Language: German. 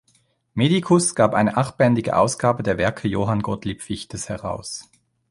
Medicus gab eine achtbändige Ausgabe der Werke Johann Gottlieb Fichtes heraus.